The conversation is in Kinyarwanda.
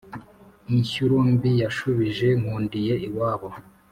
Inshyuro mbi yashubije Nkundiye iwabo.